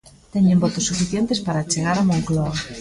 Teñen votos suficientes para chegar á Moncloa.